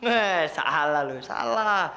eh salah lo salah